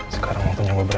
sekarang aku nyoba beraksi